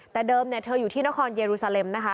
แต่เดิมเธออยู่ที่นครเยรูซาเลมนะคะ